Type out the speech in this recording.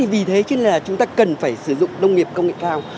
vì thế chúng ta cần phải sử dụng nông nghiệp công nghệ cao